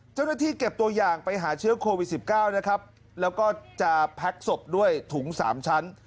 เจ้าหน้าที่เก็บตัวอย่างไปหาเชื้อโควิด๑๙นะครับแล้วก็จะแพ็กศพด้วยถุงสามชั้น